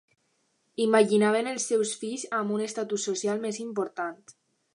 Imaginaven els seus fills amb un estatus social més important.